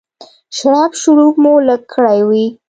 شړپ شړوپ مو لږ کړی وي.